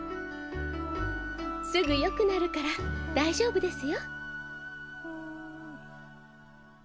すぐよくなるから大丈夫ですよ。